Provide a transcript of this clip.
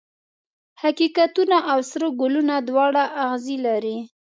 حقیقتونه او سره ګلونه دواړه اغزي لري.